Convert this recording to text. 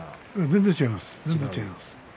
全然違います。